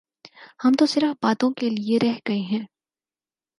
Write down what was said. ہم تو صرف باتوں کیلئے رہ گئے ہیں۔